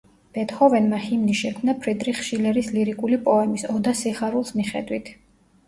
ბეთჰოვენმა ჰიმნი შექმნა ფრიდრიხ შილერის ლირიკული პოემის „ოდა სიხარულს“ მიხედვით.